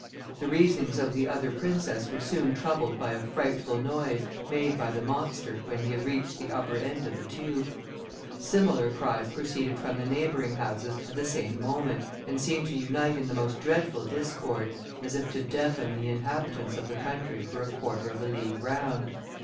The reasonings of the other princess were soon troubled by a frightful noise, made by the monster, when he had reached the upper end of the tube. Similar cries proceeded from the neighbouring houses at the same moment, and seemed to unite in the most dreadful discord, as if to deafen the inhabitants of the country for a quarter of a league round.